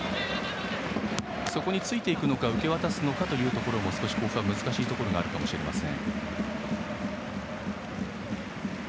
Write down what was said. そこについていくのか受け渡すのかも甲府は難しいところがあるかもしれません。